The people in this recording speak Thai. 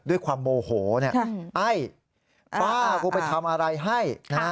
ด้วยความโมโหไอ้ป้ากูไปทำอะไรให้